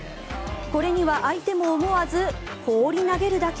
これには相手も思わず放り投げるだけ。